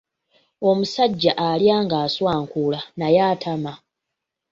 Omusajja alya ng’aswankula naye atama.